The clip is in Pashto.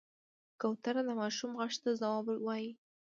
کوتره د ماشوم غږ ته ځواب وايي.